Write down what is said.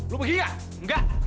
lo pergi gak enggak